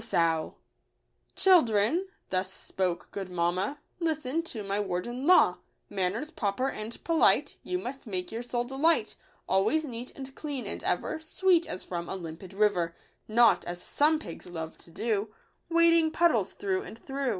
89 " Children," thus spoke good mamma " Listen to my word and law. Manners proper and polite You must make your sole delight ; Always neat and clean, and ever Sweet as from a limpid river ; Not as some pigs love to do, Wading puddles through and through."